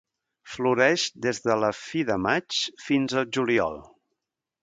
Floreix des de la fi de maig fins al juliol.